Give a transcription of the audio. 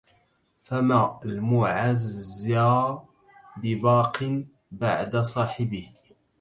فَما المُعَزّى بِباقٍ بَعدَ صاحِبِهِ